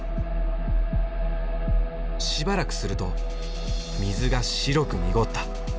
しばらくすると水が白く濁った。